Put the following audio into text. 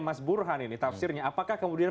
mas burhan ini tafsirnya apakah kemudian